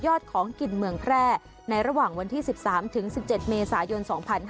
ของกินเมืองแพร่ในระหว่างวันที่๑๓๑๗เมษายน๒๕๕๙